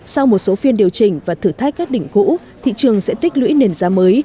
sau một số phiên điều chỉnh và thử thách các đỉnh cũ thị trường sẽ tích lũy nền giá mới